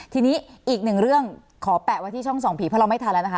ทีนี้อีกหนึ่งเรื่องขอแปะไว้ที่ช่องส่องผีเพราะเราไม่ทันแล้วนะคะ